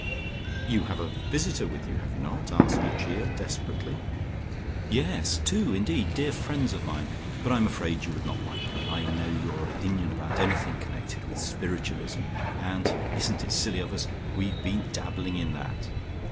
"You have a visitor with you, have you not?" asked Lucia desperately. "Yes! Two, indeed, dear friends of mine. But I am afraid you would not like them. I know your opinion about anything connected with spiritualism, and isn't it silly of us? we've been dabbling in that."